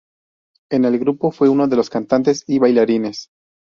En el grupo fue uno de los cantantes y bailarines.